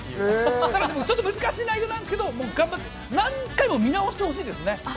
でも難しい内容なんですけど、何回も見直してほしいですね。